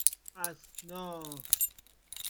اَسنا